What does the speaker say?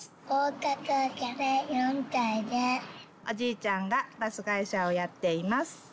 おじいちゃんがバスがいしゃをやっています。